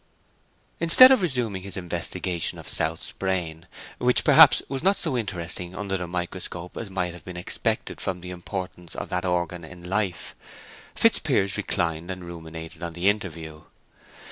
Instead of resuming his investigation of South's brain, which perhaps was not so interesting under the microscope as might have been expected from the importance of that organ in life, Fitzpiers reclined and ruminated on the interview.